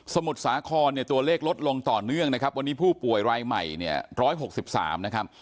มุทรสาครเนี่ยตัวเลขลดลงต่อเนื่องนะครับวันนี้ผู้ป่วยรายใหม่เนี่ย๑๖๓นะครับ